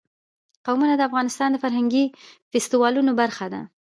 قومونه د افغانستان د فرهنګي فستیوالونو برخه ده.